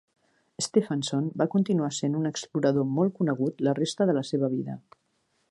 Stefansson va continuar sent un explorador molt conegut la resta de la seva vida.